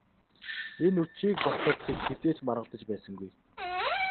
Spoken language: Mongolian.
Энэ үдшийг болтол тэд хэзээ ч маргалдаж байсангүй.